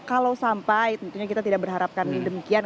kalau sampai tentunya kita tidak berharapkan demikian